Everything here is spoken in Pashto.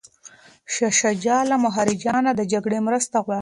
شاه شجاع له مهاراجا نه د جګړې مرسته غواړي.